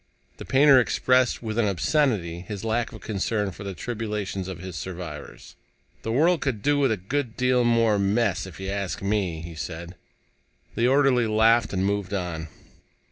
The painter expressed with an obscenity his lack of concern for the tribulations of his survivors. "The world could do with a good deal more mess, if you ask me," he said. The orderly laughed and moved on.